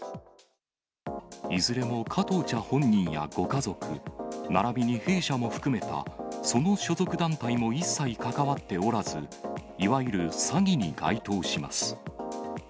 いずれも加藤茶本人やご家族、ならびに弊社も含めたその所属団体も一切関わっておらず、いわゆる詐欺に該当します。